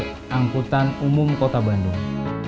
berada di jalur angkutan umum kota bandung